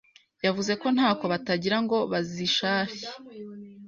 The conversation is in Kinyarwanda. yavuze ko ntako batagira ngo bazishashye,